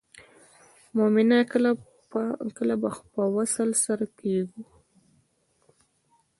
مومنه کله به په وصل سره کیږو.